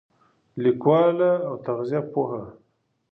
لیکواله او تغذیه پوهه